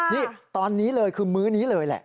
นี่ตอนนี้เลยคือมื้อนี้เลยแหละ